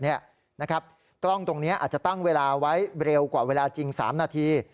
กล้องตรงนี้อาจจะตั้งเวลาไว้เร็วกว่าเวลาจริง๓นาที